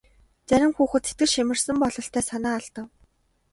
Зарим хүүхэд сэтгэл шимширсэн бололтой санаа алдав.